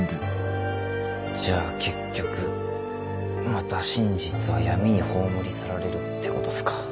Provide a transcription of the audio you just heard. じゃあ結局また真実は闇に葬り去られるってことすか？